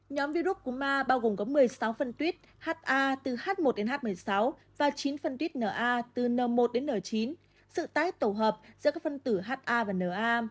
nhóm virus cú ma bao gồm có một mươi sáu phân tuyết ha từ h một đến h một mươi sáu và chín phân tuy na từ n một đến n chín sự tái tổ hợp giữa các phân tử ha và na